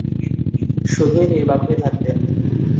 শুধুই নির্বাক হয়ে থাকতেন।